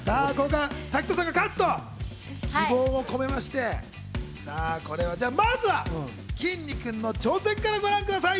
滝藤さんが勝つと希望を込めまして、じゃあ、まずはきんに君の挑戦からご覧ください。